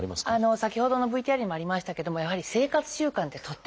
先ほどのＶＴＲにもありましたけどもやはり生活習慣ってとっても大事です。